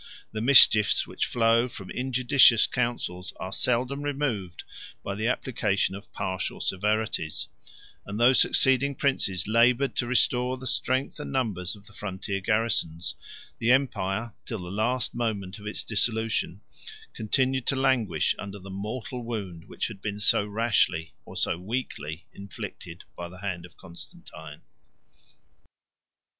130 The mischiefs which flow from injudicious counsels are seldom removed by the application of partial severities; and though succeeding princes labored to restore the strength and numbers of the frontier garrisons, the empire, till the last moment of its dissolution, continued to languish under the mortal wound which had been so rashly or so weakly inflicted by the hand of Constantine.